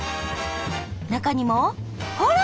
中にもほら！